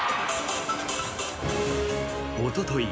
おととい